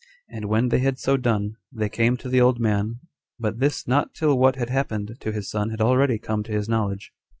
And when they had so done, they came to the old man, but this not till what had happened to his son had already come to his knowledge.